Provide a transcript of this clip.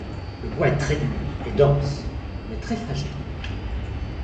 Le bois est très dur et dense mais très fragile.